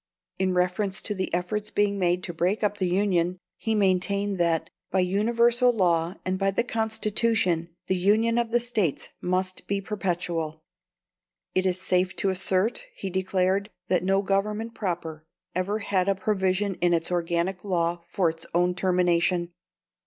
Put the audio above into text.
In reference to the efforts being made to break up the Union, he maintained that, by universal law and by the Constitution, the union of the States must be perpetual. "It is safe to assert," he declared, "that no government proper ever had a provision in its organic law for its own termination."